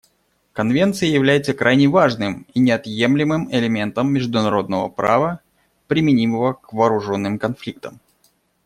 Конвенция является крайне важным и неотъемлемым элементом международного права, применимого к вооруженным конфликтам.